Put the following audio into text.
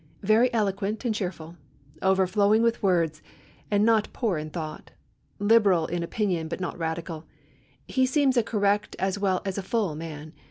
Very eloquent and cheerful. Overflowing with words, and not poor in thought. Liberal in opinion, but no radical. He seems a correct as well as a full man.